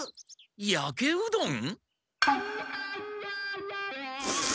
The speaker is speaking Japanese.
やけうどん？